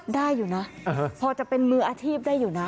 ได้อยู่นะพอจะเป็นมืออาชีพได้อยู่นะ